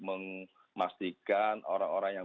memastikan orang orang yang